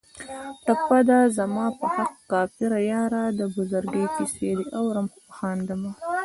ټپه ده: زما په حق کافره یاره د بزرګۍ کیسې دې اورم و خاندمه